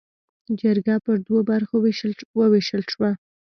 جرګه پر دوو برخو ووېشل شوه.